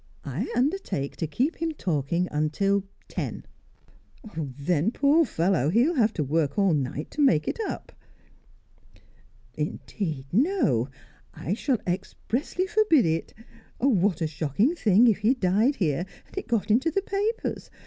I undertake to keep him talking till ten." "Then, poor fellow, he'll have to work all night to make it up." "Indeed, no! I shall expressly forbid it. What a shocking thing if he died here, and it got into the papers!